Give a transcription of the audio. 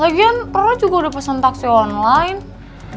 lagian rara juga udah pesen taksi online